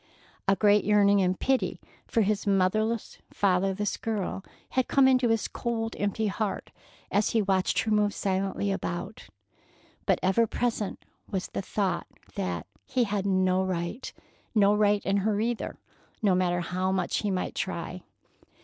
A great yearning and pity for his motherless, fatherless girl had come into his cold, empty heart as he had watched her move silently about. But ever present was the thought that he had no right—no right in her either, no matter how much he might try.